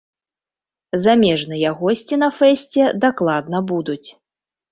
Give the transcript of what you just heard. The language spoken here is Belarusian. Замежныя госці на фэсце дакладна будуць.